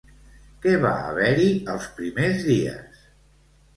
Què va haver-hi els primers dies?